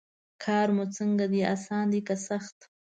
کار مو څنګه دی اسان دی که سخت.